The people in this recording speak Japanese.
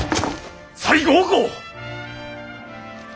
西郷公！